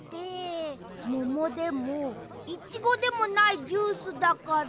モモでもイチゴでもないジュースだから。